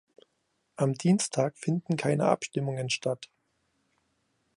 Am Dienstag finden keine Abstimmungen statt.